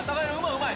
うまい